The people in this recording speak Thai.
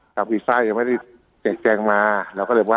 กรรมภาคฤตินเท่าไหร่ยังไม่ได้แจ้งแจ้งมาแล้วก็เลยว่า